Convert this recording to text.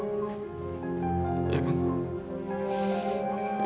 ini buktinya ayah